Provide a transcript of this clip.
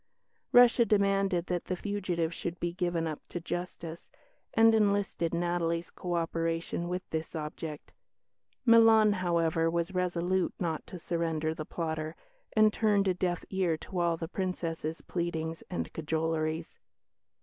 Russia demanded that the fugitive should be given up to justice, and enlisted Natalie's co operation with this object. Milan, however, was resolute not to surrender the plotter, and turned a deaf ear to all the Princess's pleadings and cajoleries.